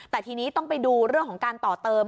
แต่ทีนี้ต้องไปดูเรื่องของการต่อเติม